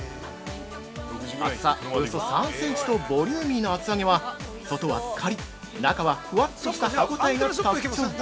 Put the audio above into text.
厚さおよそ３センチとボリューミーな厚揚げは、外はカリッ、中はフワッとした歯応えが特徴。